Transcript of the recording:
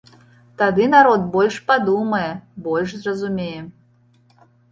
Тады народ больш падумае, больш зразумее.